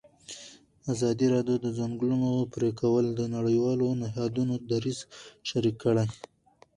ازادي راډیو د د ځنګلونو پرېکول د نړیوالو نهادونو دریځ شریک کړی.